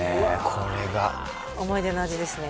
これが思い出の味ですね